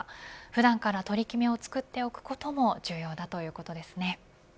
普段から取り決めをつくっておくことも重要だということですね。